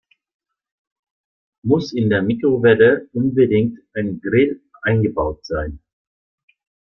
Muss in der Mikrowelle unbedingt ein Grill eingebaut sein?